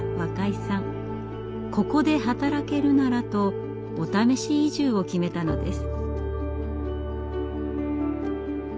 ここで働けるならとお試し移住を決めたのです。